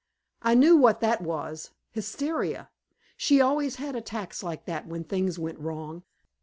I knew what that was hysteria. She always had attacks like that when things went wrong.